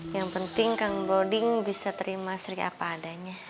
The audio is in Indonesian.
yang penting kang broding bisa terima seriapa adanya